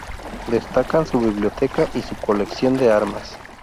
Destacan su biblioteca y su colección de armas.